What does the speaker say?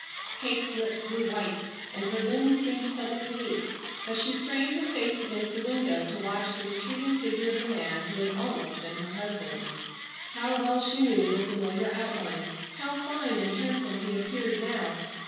Kate's lips grew white, and her limbs seemed suddenly weak, but she strained her face against the window to watch the retreating figure of the man who had almost been her husband. How well she knew the familiar outline. How fine and handsome he appeared now!